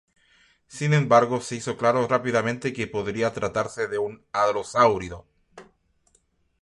Sin embargo se hizo claro rápidamente que podía tratarse de un hadrosáurido.